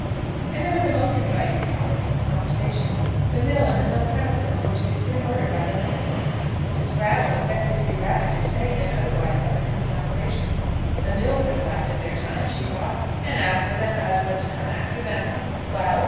And there was a most inviting topic for conversation. The mill and the mill premises were to be put in order by the landlord. Mrs. Brattle affected to be rather dismayed than otherwise by the coming operations. The mill would have lasted their time, she thought, "and as for them as were to come after them, well!